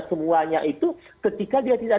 semuanya itu ketika dia tidak